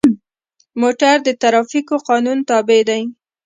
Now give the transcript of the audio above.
موټر د ټرافیکو قانون تابع دی.